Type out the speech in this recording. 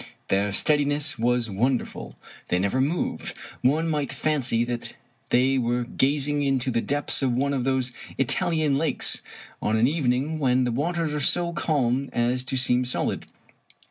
Their steadiness was wonderful. They never moved. One might fancy that they were gaz ing into the depths of one of those Italian lakes, on an evening when the waters are so calm as to seem solid.